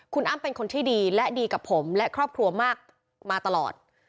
คุณอ้ำเป็นคนที่ดีและดีกับผมและครอบครัวมากมาตลอด